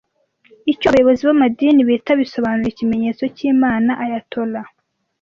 Icyo abayobozi b'amadini bita bisobanura Ikimenyetso cy'Imana Ayatollah